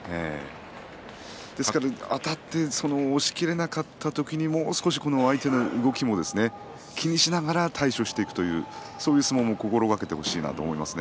ですから、あたって押しきれなかった時に少し相手の動きも気にしながら対処していくというそういう相撲を心がけてほしいですね。